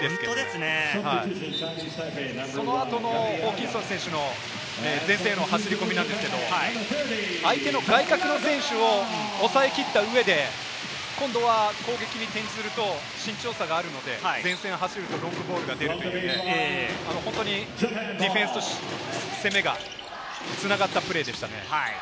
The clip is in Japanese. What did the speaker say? その後のホーキンソン選手の前線への走り込みなんですけれども、相手の外角の選手を抑えきった上で今度は攻撃に転ずると身長差があるので、前線を走るとロングボールが出るという、本当にディフェンスと攻めが繋がったプレーでしたね。